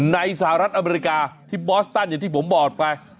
สหรัฐอเมริกาที่บอสตันอย่างที่ผมบอกไป